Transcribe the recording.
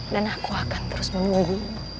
dan aku akan terus menunggu